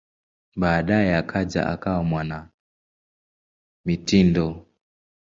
Baadaye akaja kuwa mwanamitindo.